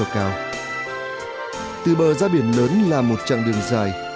cá biển lớn là một chặng đường dài